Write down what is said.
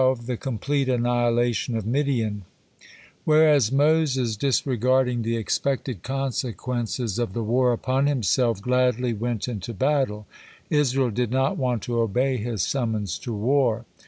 THE COMPLETE ANNIHILATION OF MIDIAN Whereas Moses, disregarding the expected consequences of the war upon himself, gladly went into battle, Israel did not want to obey his summons to war.